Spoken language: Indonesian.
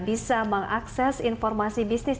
bisa mengakses informasi bisnis